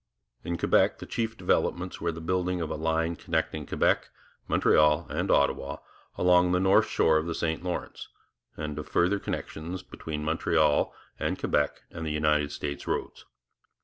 In Quebec the chief developments were the building of a line connecting Quebec, Montreal, and Ottawa along the north shore of the St Lawrence, and of further connections between Montreal and Quebec and United States roads.